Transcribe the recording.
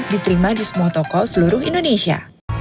diterima di semua toko seluruh indonesia